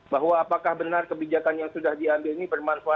bahwa apakah benar kebijakan yang sudah diambil ini bermanfaat